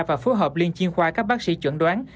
và phối hợp liên chuyên khoa các bác sĩ chuẩn đoán